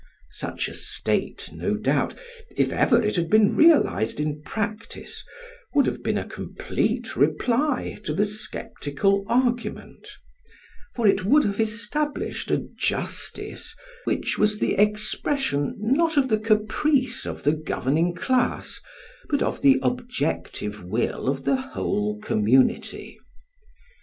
Such a state, no doubt, if ever it had been realised in practice, would have been a complete reply to the sceptical argument; for it would have established a "justice" which was the expression not of the caprice of the governing class, but of the objective will of the whole community.